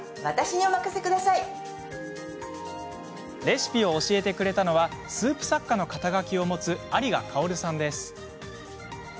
レシピを教えてくださったのはスープ作家の肩書を持つ有賀薫さんです。